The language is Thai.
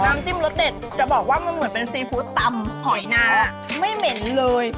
น้ำจิ้มรสเด็ดจะบอกว่ามันเหมือนเป็นซีฟู้ดตำหอยนาไม่เหม็นเลย